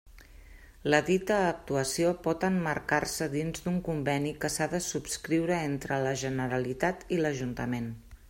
La dita actuació pot emmarcar-se dins d'un conveni que s'ha de subscriure entre la Generalitat i l'Ajuntament.